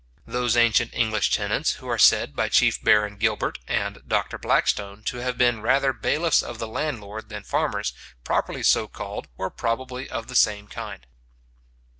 Those ancient English tenants, who are said by Chief Baron Gilbert and Dr Blackstone to have been rather bailiffs of the landlord than farmers, properly so called, were probably of the same kind.